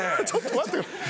ちょっと待って。